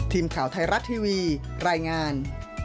ทีมข่าวไทยรัฐทีวีรายงาน